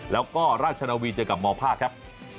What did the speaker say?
แล้วก็ราชนาวีเจอกับมภาคครับ